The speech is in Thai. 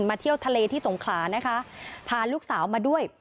เที่ยวทะเลที่สงขลานะคะพาลูกสาวมาด้วย